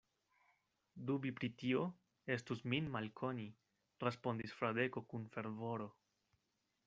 Dubi pri tio estus min malkoni, respondis Fradeko kun fervoro.